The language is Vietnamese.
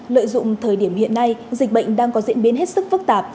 lợi dụng thời điểm hiện nay dịch bệnh đang có diễn biến hết sức phức tạp